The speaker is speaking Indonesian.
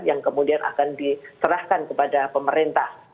yang kemudian akan diserahkan kepada pemerintah